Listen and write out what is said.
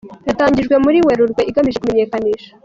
yatangijwe muri Werurwe igamije kumenyekanisha